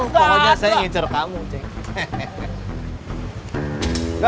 pokoknya saya ingin curi kamu ceng